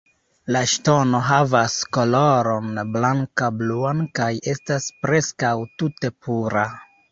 La ŝtono havas koloron blanka-bluan kaj estas preskaŭ tute pura.